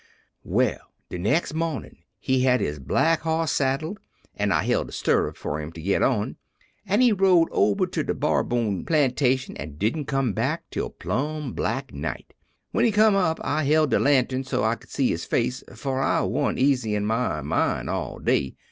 "Well, de next mawnin' he had his black horse saddled, an' I held the stirrup for him to git on, an' he rode ober to de Barbour plantation, an' didn't come back till plumb black night. When he come up I held de lantern so I could see his face, for I wa'n't easy in my mine all day.